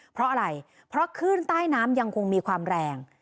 เพราะอะไรเพราะขึ้นใต้น้ำยังคงมีความแรง